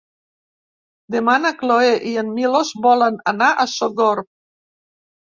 Demà na Cloè i en Milos volen anar a Sogorb.